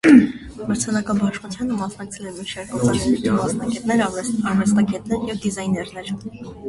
Մրցանակաբաշխությանը մասնակցել են մի շարք օծանելիքի մասնագետներ, արվեստագետներ և դիզայներներ։